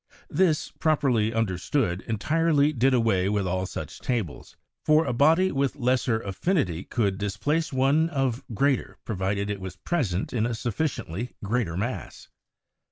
This, properly understood, entirely did away with all such tables, for a body with lesser affinity could displace one of greater, pro vided it was present in a sufficiently greater mass.